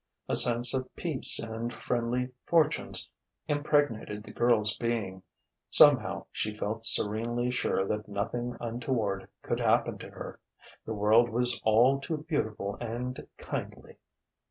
A sense of peace and friendly fortunes impregnated the girl's being. Somehow she felt serenely sure that nothing untoward could happen to her. The world was all too beautiful and kindly....